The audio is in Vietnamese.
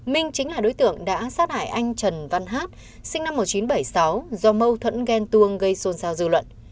minh chính là đối tượng đã sát hại anh trần văn hát sinh năm một nghìn chín trăm bảy mươi sáu do mâu thuẫn ghen tuông gây xôn xao dư luận